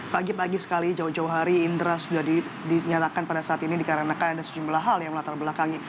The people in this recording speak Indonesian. pagi pagi sekali jauh jauh hari indra sudah dinyatakan pada saat ini dikarenakan ada sejumlah hal yang melatar belakangnya